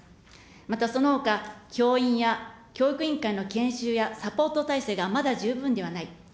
またそのほか、教員や教育委員会の研修やサポート体制がまだ十分ではない。